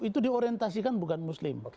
itu diorientasikan bukan muslim